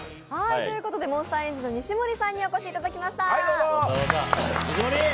モンスターエンジンの西森さんにお越しいただきました。